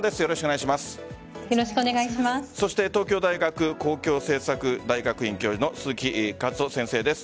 東京大学公共政策大学院教授の鈴木一人先生です。